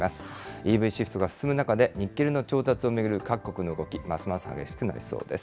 ＥＶシフトが進む中で、ニッケルの調達を巡る各国の動き、ますます激しくなりそうです。